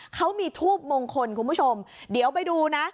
เขามีทูบมงคลคุณผู้ชมเดี๋ยวไปดูนะ